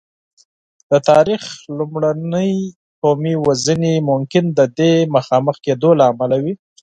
د تاریخ لومړنۍ قومي وژنې ممکن د دې مخامخ کېدو له امله وې.